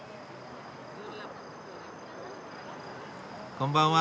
こんばんは。